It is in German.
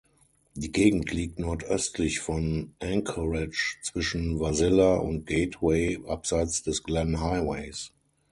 Die Gegend liegt nordöstlich von Anchorage zwischen Wasilla und Gateway abseits des Glenn Highways.